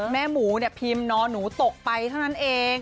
แม่หมูเนี่ยพิมพ์นอนหนูตกไปเท่านั้นเอง